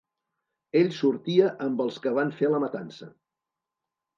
Ell sortia amb els que van fer la matança.